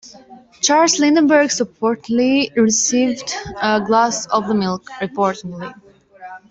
Charles Lindbergh reportedly received a glass of the milk.